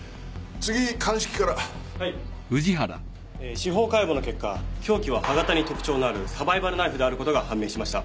司法解剖の結果凶器は刃型に特徴のあるサバイバルナイフであることが判明しました。